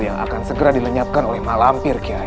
yang akan segera dilenyapkan oleh mak lampir kiai